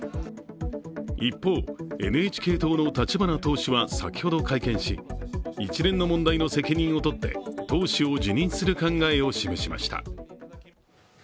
一方、ＮＨＫ党の立花党首は先ほど会見し一連の問題の責任を取って党首を辞任する考えを示しました。